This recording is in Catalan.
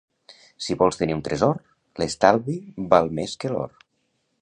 Si vols tenir un tresor, l'estalvi val més que l'or.